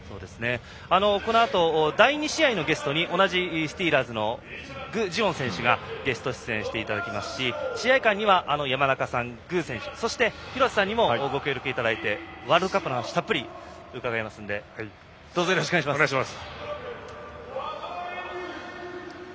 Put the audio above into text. このあと第２試合のゲストに同じスティーラーズの具智元選手にゲスト出演していただきますし試合間には山中さんと具選手そして、廣瀬さんにもご協力いただいてワールドカップの話をたっぷり伺いますのでどうぞよろしくお願いします。